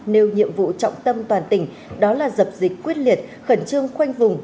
nêu nhiệm vụ trọng tâm toàn tỉnh đó là dập dịch quyết liệt khẩn trương khoanh vùng